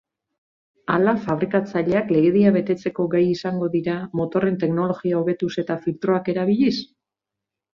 Ala fabrikatzaileak legedia betetzeko gai izango dira motorren teknologia hobetuz eta filtroak erabiliz?